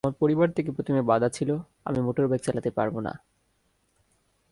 আমার পরিবার থেকে প্রথমে বাধা ছিল আমি মোটরবাইক চালাতে পারব না।